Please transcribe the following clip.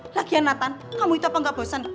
lagian nathan kamu itu apa gak bosan